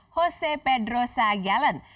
jose pedro sagialan